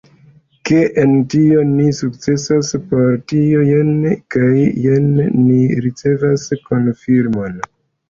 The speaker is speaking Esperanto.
Ke en tio ni sukcesas, por tio jen kaj jen ni ricevas konfirmon.